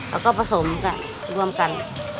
แล้วก็ผสมกันร่วมกัน